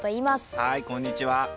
はいこんにちは。